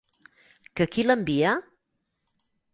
Que qui l'envia?